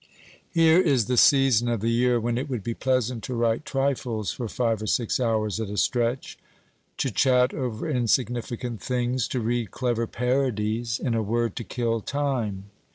Here is the season of the year when it would be pleasant to write trifles for five or six hours at a stretch, to chat over insignificant things, to read clever parodies, in a word, to kill time.